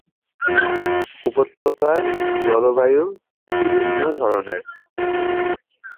উপত্যকার জলবায়ু বিভিন্ন ধরনের।